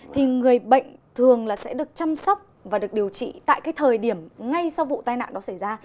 thì người bệnh thường là sẽ được chăm sóc và được điều trị tại cái thời điểm ngay sau vụ tai nạn đó xảy ra